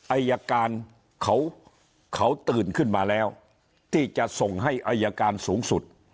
อายการเขาตื่นขึ้นมาแล้วที่จะส่งให้อายการสูงสุด